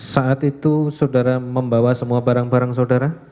saat itu saudara membawa semua barang barang saudara